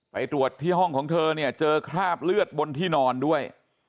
ไปตรวจที่ห้องของเธอเนี่ยเจอคราบเลือดบนที่นอนด้วย